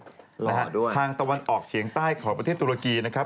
นะฮะด้วยทางตะวันออกเฉียงใต้ของประเทศตุรกีนะครับ